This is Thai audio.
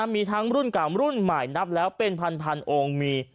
มีทั้งรุ่นเก่ารุ่นใหม่นับแล้วเป็นพันองค์มี